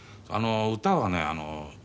歌はね